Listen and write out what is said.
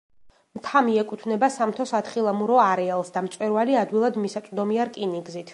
მთა მიეკუთვნება სამთო–სათხილამურო არეალს და მწვერვალი ადვილად მისაწვდომია რკინიგზით.